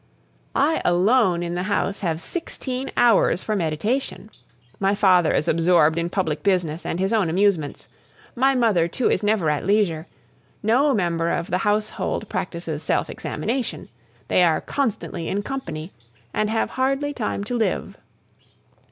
I alone in the house have sixteen hours for meditation. My father is absorbed in public business and his own amusements; my mother, too, is never at leisure; no member of the household practises self examination, they are constantly in company, and have hardly time to live.